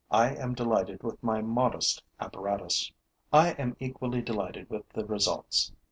I am delighted with my modest apparatus. I am equally delighted with the results.